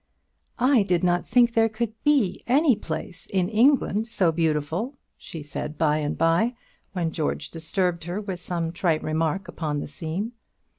"I did not think there could be any place in England so beautiful," she said by and by, when George disturbed her with some trite remark upon the scene.